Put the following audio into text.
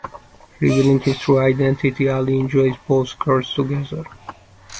Revealing his true identity Ali enjoys both girls together.